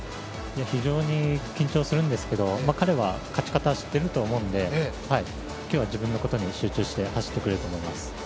非常に緊張するんですけど、彼は勝ち方を知っていると思うので今日は自分のことに集中して走ってくれると思います。